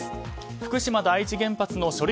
福島第一原発の処理